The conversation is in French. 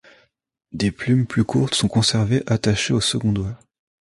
Des plumes plus courtes sont conservées attachées au second doigt.